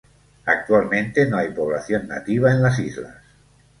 Actualmente no hay población nativa en las islas.